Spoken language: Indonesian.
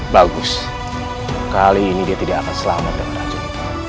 bagus kali ini dia tidak akan selamat dan racun